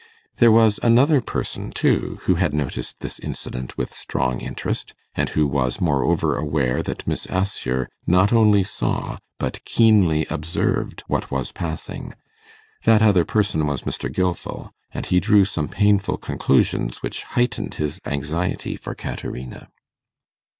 There was another person, too, who had noticed this incident with strong interest, and who was moreover aware that Miss Assher not only saw, but keenly observed what was passing. That other person was Mr. Gilfil, and he drew some painful conclusions which heightened his anxiety for Caterina.